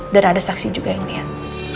dan ada saksi juga yang ngeliat